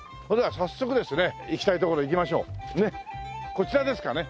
こちらですかね？